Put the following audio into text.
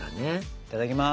いただきます。